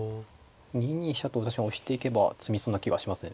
２二飛車と押していけば詰みそうな気がしますね。